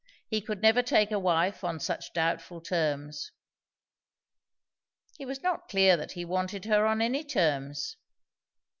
He could never take a wife on such doubtful terms. He was not clear that he wanted her on any terms.